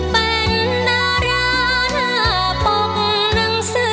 เป็นดาราหน้าปกหนังสือ